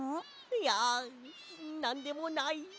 いやなんでもない。